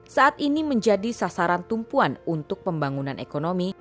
saat ini menjadi sasaran tumpuan untuk pembangunan ekonomi